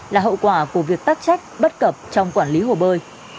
là hậu quả của việc tác trách bất cập trong quản lý hồ bơi